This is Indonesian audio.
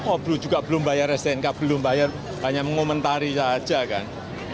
oh belum juga belum bayar stnk belum bayar hanya mengomentari saja kan